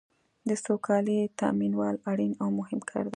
د سوکالۍ تامینول اړین او مهم کار دی.